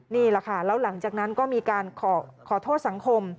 นี่แหละค่ะแล้วหลังจากนั้นก็มีการขอโทษสังคม